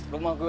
rumah gue aja